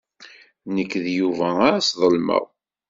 Nekk d Yuba ay sḍelmeɣ.